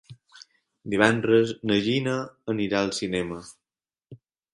Divendres na Gina anirà al cinema.